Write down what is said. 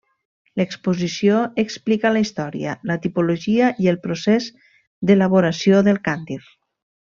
L'exposició explica la història, la tipologia i el procés d'elaboració del càntir.